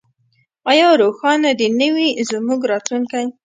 آیا روښانه دې نه وي زموږ راتلونکی؟